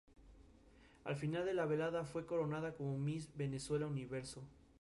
De esta manera, con el tiempo llegó a ser un gran atleta.